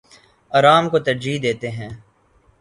آرام کو ترجیح دیتے ہیں